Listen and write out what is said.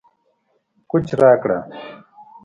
کوچ راکړه